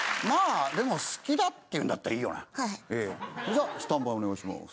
じゃスタンバイお願いします。